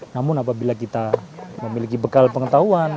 namun apabila kita memiliki bekal pengetahuan